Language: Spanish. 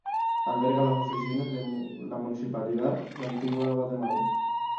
Alberga las oficinas de la Municipalidad de Antigua Guatemala.